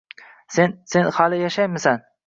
S-sen hali yashaysan